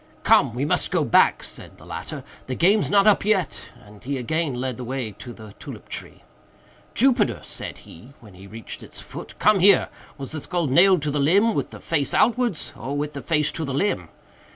"Come! we must go back," said the latter, "the game's not up yet;" and he again led the way to the tulip tree. "Jupiter," said he, when we reached its foot, "come here! was the skull nailed to the limb with the face outwards, or with the face to the limb?"